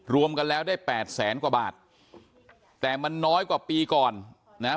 รวมกันแล้วได้แปดแสนกว่าบาทแต่มันน้อยกว่าปีก่อนนะฮะ